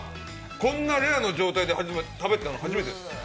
こんなレアな状態で始めたの初めて！